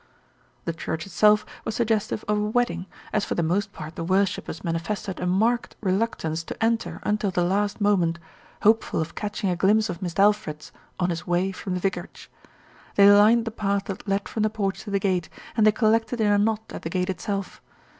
The church itself was suggestive of a wedding, as for the most part the worshippers manifested a marked reluctance to enter until the last moment, hopeful of catching a glimpse of Mist' Alfred on his way from the vicarage. They lined the path that led from the porch to the gate, and they collected in a knot at the gate itself.